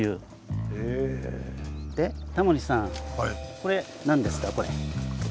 でタモリさんこれ何ですか？